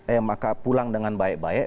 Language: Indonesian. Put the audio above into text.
eh maka pulang dengan baik baik